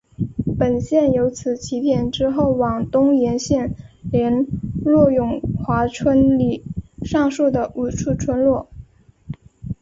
本线由此起点之后往东沿路连络永华村里上述的五处村落。